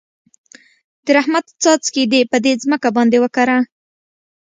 د رحمت څاڅکي دې په دې ځمکه باندې وکره.